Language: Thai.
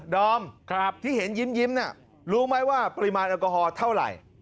ดอมที่เห็นยิ้มรู้ไหมว่าปริมาณแอลกอฮอลเท่าไหร่